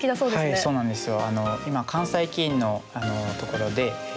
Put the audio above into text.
はいそうなんですよ。